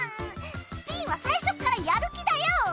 スピンは最初からやる気だよ！